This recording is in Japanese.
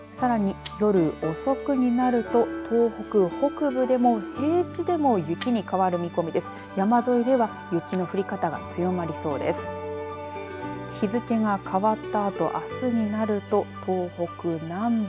さらに、夜遅くになると東北北部でも平地でも雪に変わる見込みです。